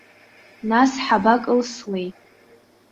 Нас ҳабакылсуеи?